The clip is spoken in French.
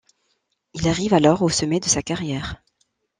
Il arrive alors au sommet de sa carrière.